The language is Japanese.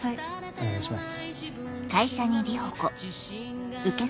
お願いします。